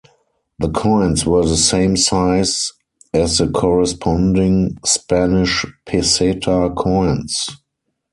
The coins were the same size as the corresponding Spanish peseta coins.